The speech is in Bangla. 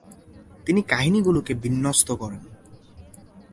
তিনি কাহিনিগুলিকে বিন্যস্ত করেন।